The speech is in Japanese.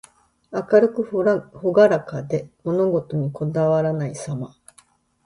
明るくほがらかで、細事にこだわらないさま。